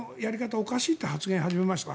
おかしいという発言を始めました。